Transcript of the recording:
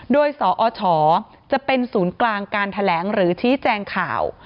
โดยสอชจะเป็นศูนย์กลางการแถลงหรือชี้แจงข่าว